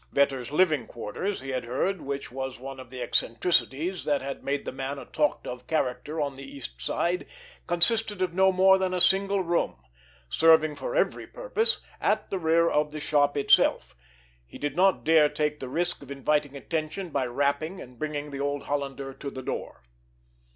Vetter's living quarters, he had heard, which was one of the eccentricities that had made the man a talked of character on the East Side, consisted of no more than a single room, serving for every purpose, at the rear of the shop itself. He did not dare take the risk of inviting attention by rapping and bringing the old Hollander to the door.